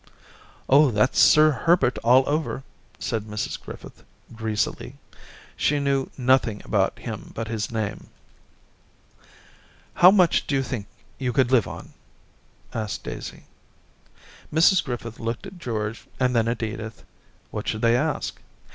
*' Oh, that's Sir Herbert all over,' said Mrs Griffith, greasily — she knew nothing about him but his name !' How much do you think you could live on ?* asked Daisy. Mrs Griffith looked at George and then at Edith. What should they ask